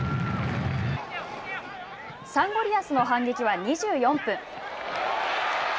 サンゴリアスの反撃は２４分。